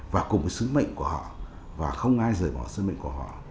và cùng với sứ mệnh của họ và không ai rời bỏ sứ mệnh của họ